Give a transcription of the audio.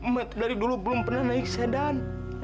met dari dulu belum pernah naik sedan